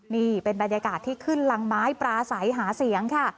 นี่เป็นบรรยากาศที่ขึ้นรังไม้ปราศัยหาเสียงค่ะ